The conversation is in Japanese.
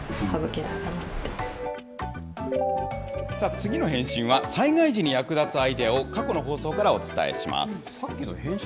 次の変身は、災害時に役立つアイデアを、過去の放送からお伝さっきの変身でしたか？